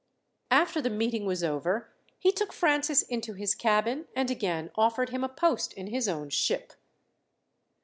After the meeting was over he took Francis into his cabin, and again offered him a post in his own ship.